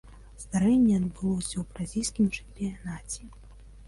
Здарэнне адбылося ў бразільскім чэмпіянаце.